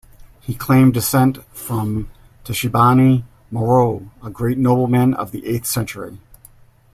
He claimed descent from Tachibana Moroye, a great nobleman of the eighth century.